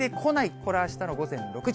これはあしたの午前６時。